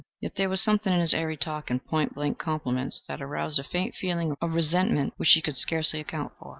Yet there was something in his airy talk and point blank compliments that aroused a faint feeling of resentment which she could scarcely account for.